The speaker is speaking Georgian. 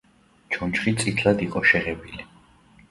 ჩონჩხი წითლად იყო შეღებილი.